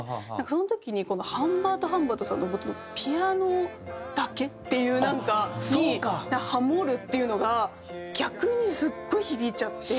その時にこのハンバートハンバートさんのピアノだけ？っていうなんかにハモるっていうのが逆にすごい響いちゃって。